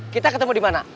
kita ketemu dimana